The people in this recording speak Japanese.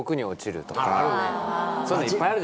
そういうのいっぱいある。